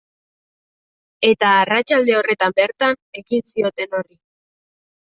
Eta arratsalde horretan bertan ekin zioten horri.